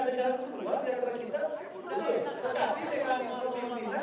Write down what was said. tetapi sekarang isoman pimpinan tombol mati kita jangan langsung membatas semua